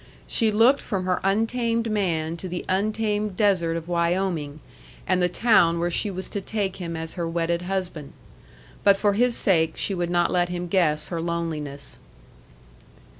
She looked from her untamed man to the untamed desert of Wyoming, and the town where she was to take him as her wedded husband. But for his sake she would not let him guess her loneliness.